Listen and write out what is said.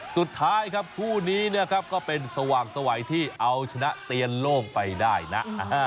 สุดท้ายครับคู่นี้นะครับก็เป็นสว่างสวัยที่เอาชนะเตียนโล่งไปได้นะ